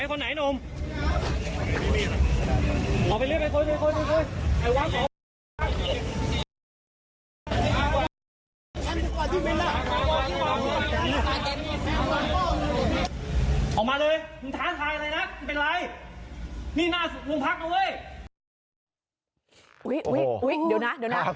เดี๋ยวนะเดี๋ยวนะ